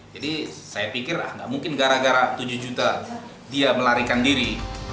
jadi saya pikir nggak mungkin gara gara tujuh juta dia melarikan diri